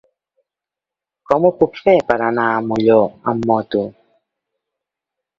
Com ho puc fer per anar a Molló amb moto?